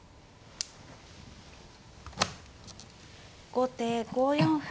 後手５四歩。